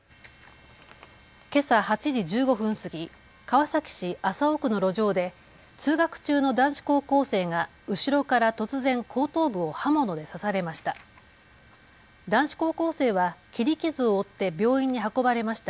けさ８時１５分過ぎ川崎市麻生区の路上で通学中の男子高校生が後ろから突然、後頭部を刃物で刺されました。